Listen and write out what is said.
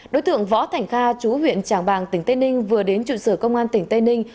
đối tượng võ thành kha chú huyện tràng bàng tỉnh tây ninh vừa đến trụ sở công an tỉnh tây ninh